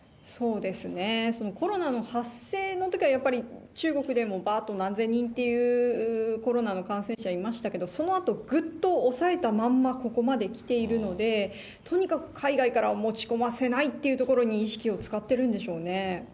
そうですね、コロナの発生のときは、やっぱり中国でもばーっと何千人っていうコロナの感染者いましたけど、そのあとぐっと抑えたまんま、ここまで来ているので、とにかく海外から持ち込ませないっていうところに意識を使ってるんでしょうね。